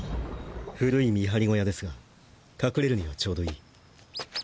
古い見張り小屋ですが隠れるにはちょうどいい。